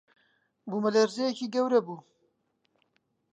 بوومەلەرزەیێکی گەورە بوو